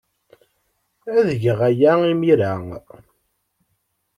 Ad geɣ aya imir-a.